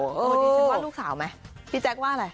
ชิคกี้พายว่าสาวมั้ยพี่แจ๊กว่าอะไร